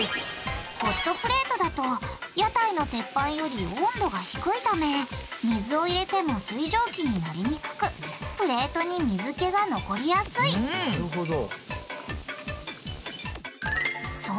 ホットプレートだと屋台の鉄板より温度が低いため水を入れても水蒸気になりにくくプレートに水けが残りやすいうん！